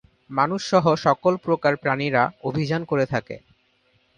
মানুষ সহ সকল প্রকার প্রাণীরা অভিযান করে থাকে।